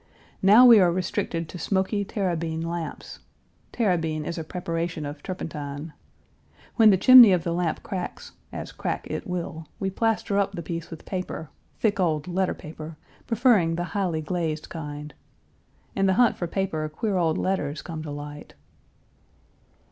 Now we are restricted to smoky, terrabine lamps terrabine is a preparation of turpentine. When the chimney of the lamp cracks, as crack it will, we plaster up the place with paper, thick old letter paper, preferring the highly glazed kind. In the hunt for paper queer old letters come to light.